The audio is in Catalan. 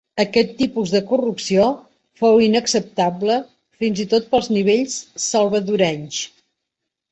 Aquest tipus de corrupció fou inacceptable fins i tot pels nivells salvadorenys.